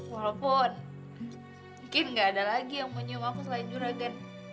walaupun mungkin gak ada lagi yang punya aku selain juragan